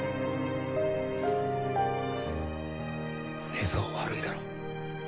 寝相悪いだろ。